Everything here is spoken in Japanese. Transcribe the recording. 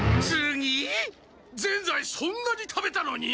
ぜんざいそんなに食べたのに？